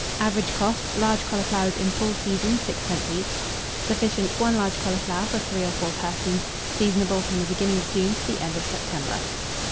Average cost, large cauliflowers, in full season, 6d. each. Sufficient, 1 large cauliflower for 3 or 4 persons. Seasonable from the beginning of June to the end of September.